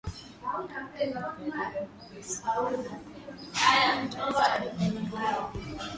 Karibu asilumia kumi ni Wasunni hasa katika maeneo karibu